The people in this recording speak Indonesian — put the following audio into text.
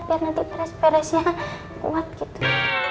biar nanti peras peras nya kuat gitu